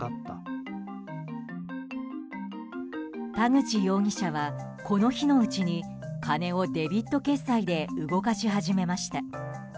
田口容疑者はこの日のうちに金をデビット決済で動かし始めました。